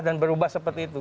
dan berubah seperti itu